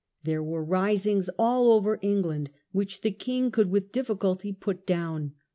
There were risings all over England, which the king could with difficulty put down.